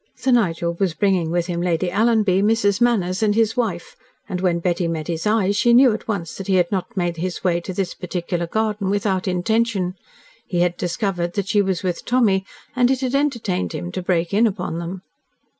Sir Nigel was bringing with him Lady Alanby, Mrs. Manners, and his wife, and when Betty met his eyes, she knew at once that he had not made his way to this particular garden without intention. He had discovered that she was with Tommy, and it had entertained him to break in upon them.